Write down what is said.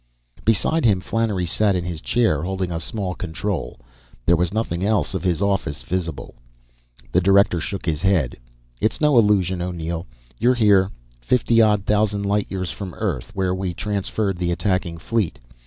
Beside him, Flannery sat in his chair, holding a small control. There was nothing else of the office visible. The director shook his head. "It's no illusion, O'Neill. You're here fifty odd thousand light years from Earth, where we transferred the attacking fleet.